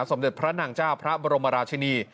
สมเด็จพระนางเจ้าพระบรมราชินี